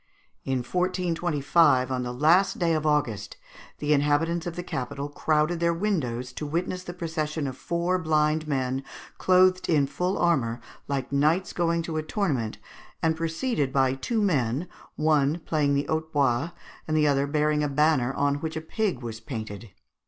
In 1425, on the last day of August, the inhabitants of the capital crowded their windows to witness the procession of four blind men, clothed in full armour, like knights going to a tournament, and preceded by two men, one playing the hautbois and the other bearing a banner on which a pig was painted.